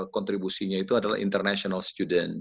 kontribusinya itu adalah international student